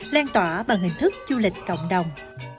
loan tỏa bằng hình thức du lịch cộng đồng